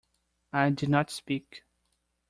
I did not speak.